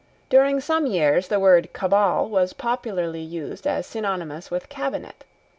During some years the word Cabal was popularly used as synonymous with Cabinet.